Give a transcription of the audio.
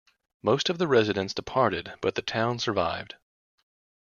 Most of the residents departed, but the town survived.